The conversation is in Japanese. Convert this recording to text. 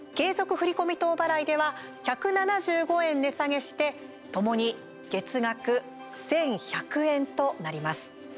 振り込み等払いでは１７５円値下げしてともに月額１１００円となります。